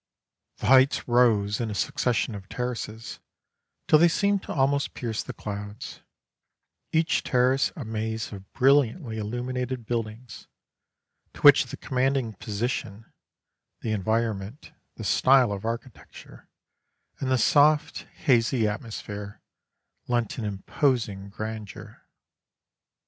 The heights rose in a succession of terraces till they seemed to almost pierce the clouds, each terrace a maze of brilliantly illuminated buildings to which the commanding position, the environment, the style of architecture, and the soft, hazy atmosphere lent an imposing grandeur.